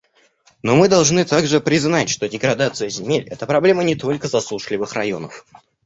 Но мы должны также признать, что деградация земель — это проблема не только засушливых районов.